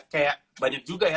kayak banyak juga ya